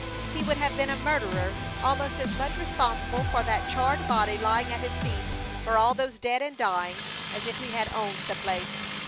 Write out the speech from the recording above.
He would have been a murderer, almost as much responsible for that charred body lying at his feet, for all those dead and dying, as if he had owned the place.